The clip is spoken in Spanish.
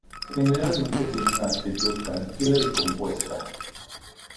Generalmente tiene una actitud tranquila y compuesta.